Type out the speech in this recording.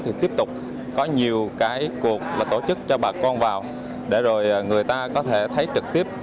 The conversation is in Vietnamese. thì tiếp tục có nhiều cái cuộc là tổ chức cho bà con vào để rồi người ta có thể thấy trực tiếp